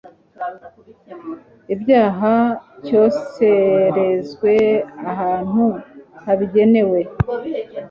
ibyaha cyoserezwe ahantu habigenewe